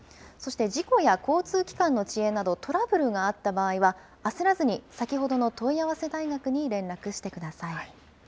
そして、事故や交通機関の遅延などトラブルがあった場合は、焦らずに先ほどの問合せ大学に連絡してください。